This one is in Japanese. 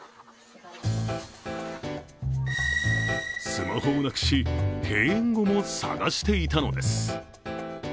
スマホをなくし、閉園後も探していたのです。